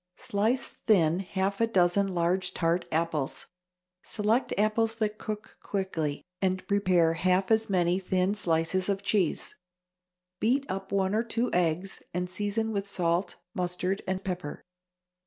= Slice thin half a dozen large tart apples (select apples that cook quickly), and prepare half as many thin slices of cheese. Beat up one or two eggs, and season with salt, mustard and pepper.